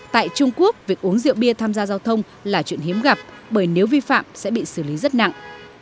tại trung quốc việc uống rượu bia tham gia giao thông là chuyện hiếm gặp bởi nếu vi phạm sẽ bị xử lý rất nặng